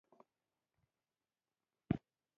ډېری خلک د چای سره هم مالګه خوري.